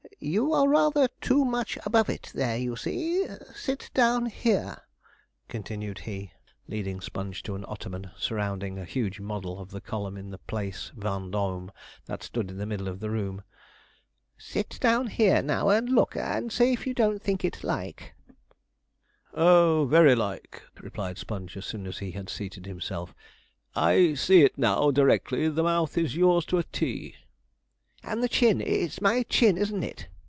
You are rather too much above it there, you see; sit down here,' continued he, leading Sponge to an ottoman surrounding a huge model of the column in the Place Vendôme, that stood in the middle of the room 'sit down here now, and look, and say if you don't think it like?' [Illustration: 'THIS, OF COURSE, YOU KNOW?'] 'Oh, very like,' replied Sponge, as soon as he had seated himself. 'I see it now, directly; the mouth is yours to a T.' 'And the chin. It's my chin, isn't it?'